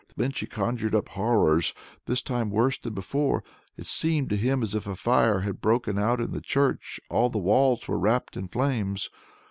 Then she conjured up horrors, this time worse than before. It seemed to him as if a fire had broken out in the church; all the walls were wrapped in flames!